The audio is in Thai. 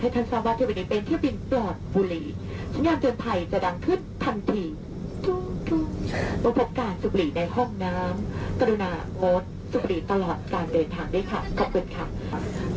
สุขดีตลอดการเดินทางด้วยค่ะขอบคุณค่ะ